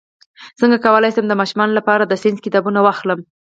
څنګه کولی شم د ماشومانو لپاره د ساینس کتابونه واخلم